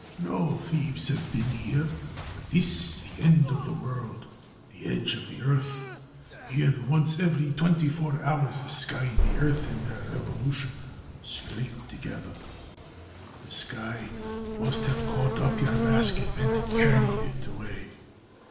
"No thieves have been here, but this is the end of the world, the edge of the earth. Here, once in every twenty four hours, the sky and the earth in their revolution, scrape together. The sky must have caught up your basket and carried it away.